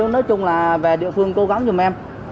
nói chung là về địa phương cố gắng giùm em